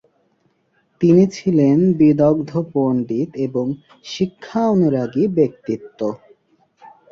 তিনি ছিলেন বিদগ্ধ পণ্ডিত এবং শিক্ষানুরাগী ব্যক্তিত্ব।